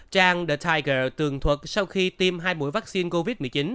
trang the tiger tường thuật sau khi tiêm hai mũi vaccine covid một mươi chín